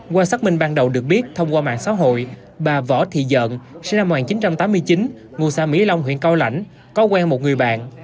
qua xác minh ban đầu được biết thông qua mạng xã hội bà võ thị dận sinh năm một nghìn chín trăm tám mươi chín ngụ xã mỹ long huyện cao lãnh có quen một người bạn